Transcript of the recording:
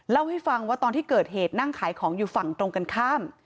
เล่าให้ฟังว่าตอนที่เกิดเหตุนั่งขายของอยู่ฝั่งตรงกันข้าม